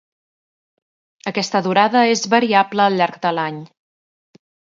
Aquesta durada és variable al llarg de l'any.